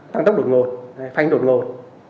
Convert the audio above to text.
tăng tốc đột ngột phanh đột ngột